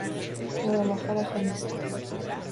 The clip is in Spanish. Guadalajara, Jalisco.